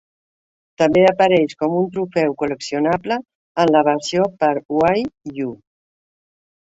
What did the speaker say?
També apareix com un trofeu col·leccionable en la versió per a Wii U.